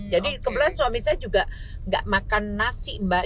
jadi kemudian suami saya juga gak makan nasi mbak